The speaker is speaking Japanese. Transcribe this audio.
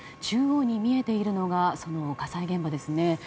中央に見えているのがその火災現場ですね。